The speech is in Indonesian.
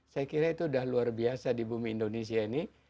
saya kira itu sudah luar biasa di bumi indonesia ini